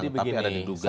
tapi ada diduga